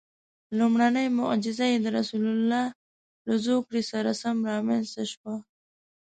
لومړنۍ معجزه یې د رسول الله له زوکړې سره سم رامنځته شوه.